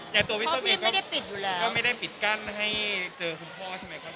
เพราะพี่ไม่ได้ปิดอยู่แล้วก็ไม่ได้ปิดกั้นให้เจอคุณพ่อใช่มั้ย